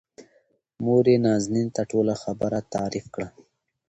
موريې نازنين ته ټوله خبره تعريف کړه.